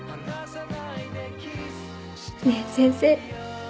ねぇ先生。